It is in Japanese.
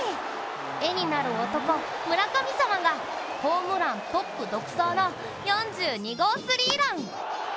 画になる男、村神様がホームラントップ独走の４２号スリーラン。